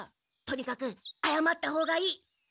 とにかくあやまったほうがいい。